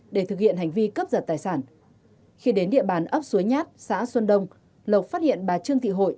để thực hiện hành vi cướp giật tài sản khi đến địa bàn ấp suối nhát xã xuân đông lộc phát hiện bà trương thị hội